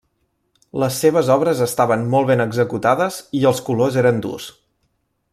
Les seves obres estaven molt ben executades i els colors eren durs.